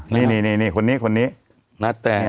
นี่คนนี้คนนี้